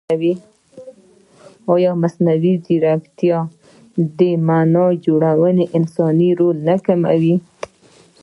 ایا مصنوعي ځیرکتیا د معنا جوړونې انساني رول نه کموي؟